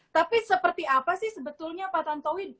tapi seperti apa sih sebetulnya pak tantowi